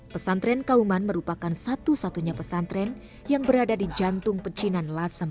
pesantren kauman merupakan satu satunya pesantren yang berada di jantung pecinan lasem